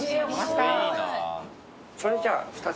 それじゃあ２つで。